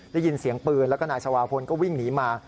ได้ยินเสียงปืนแล้วก็นายสวาพลก็วิ่งหนีมา